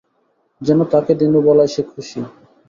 যেন তাকে দিনু বলায় সে খুশি।